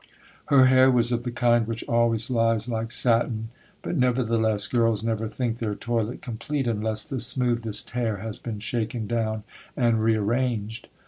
Her hair was of the kind which always lies like satin; but, nevertheless, girls never think their toilet complete unless the smoothest hair has been shaken down and rearranged.